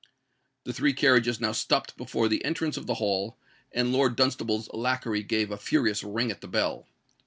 The three carriages now stopped before the entrance of the Hall; and Lord Dunstable's lacquey gave a furious ring at the bell.